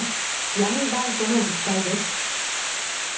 闇バイトの実態です。